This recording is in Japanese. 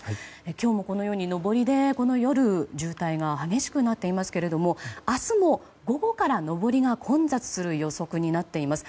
今日もこのように上りで夜、渋滞が激しくなっていますけど明日も、午後から上りが混雑する予測になっています。